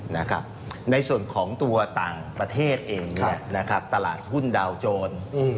ในส่วนของตัวต่างประเทศเองตลาดหุ้นดาวโจร